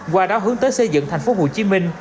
qua đó hướng tới xây dựng thành phố hồ chí minh